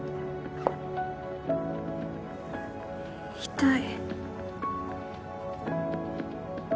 痛い。